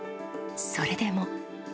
それでも。